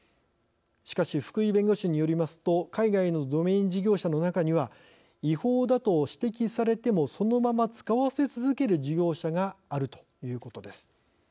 しかし福井弁護士によりますと海外のドメイン事業者の中には違法だと指摘されてもそのまま使わせ続ける事業者があるということです。